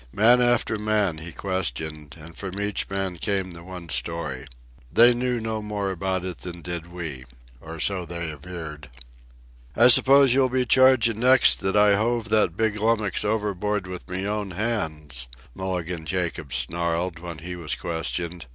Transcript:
Man after man he questioned, and from each man came the one story. They knew no more about it than did we—or so they averred. "I suppose you'll be chargin' next that I hove that big lummux overboard with me own hands," Mulligan Jacobs snarled, when he was questioned.